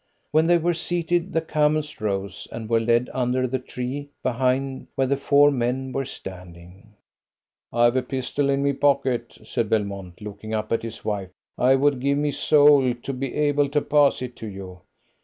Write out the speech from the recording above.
When they were seated the camels rose, and were led under the tree behind where the four men were standing. "I've a pistol in me pocket," said Belmont, looking up at his wife. "I would give me soul to be able to pass it to you."